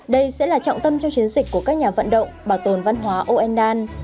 đây sẽ là trọng tâm trong chiến dịch của các nhà vận động bảo tồn văn hóa oendan